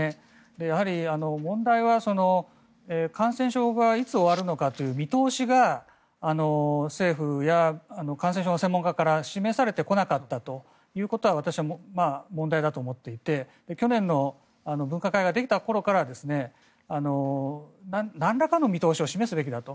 やはり問題は感染症がいつ終わるのかという見通しが政府や感染症の専門家から示されてこなかったということは私は問題だと思っていて去年の分科会ができた頃からなんらかの見通しを示すべきだと。